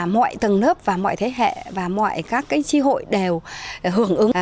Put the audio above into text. mọi tầng lớp và mọi thế hệ và mọi các tri hội đều hưởng ứng